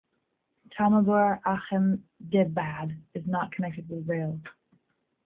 Tamabur-Ahmedabad is not connected with rails.